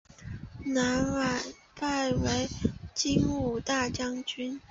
晚年拜为金吾大将军。